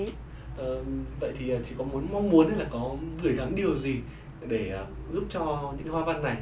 vậy thì chị có mong muốn hay là có gửi gắn điều gì để giúp cho những cái hoa văn này